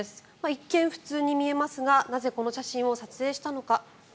一見、普通に見えますがなぜ、この写真を撮影したのか。